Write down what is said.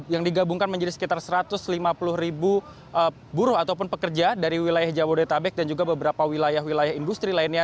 yang digabungkan menjadi sekitar satu ratus lima puluh ribu buruh ataupun pekerja dari wilayah jabodetabek dan juga beberapa wilayah wilayah industri lainnya